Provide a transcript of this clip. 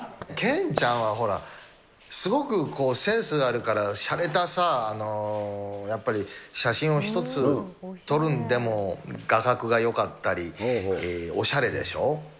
健ちゃんはほら、すごくこう、センスがあるから、しゃれたさ、やっぱり写真を一つ撮るんでも、画角がよかったり、おしゃれでしょ。